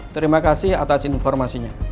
terima kasih atas informasinya